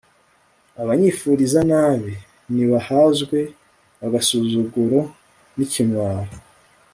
abanyifuriza nabi, nibahazwe agasuzuguro n'ikimwaro